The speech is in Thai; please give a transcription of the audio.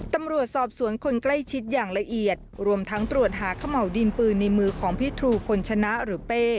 ตำรวจสอบสวนคนใกล้ชิดอย่างละเอียดรวมทั้งตรวจหาเขม่าวดินปืนในมือของพี่ทรูพลชนะหรือเป้